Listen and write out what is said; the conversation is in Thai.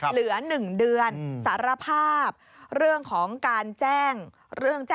เหลือหนึ่งเดือนสารภาพเรื่องของการแจ้งเท็จ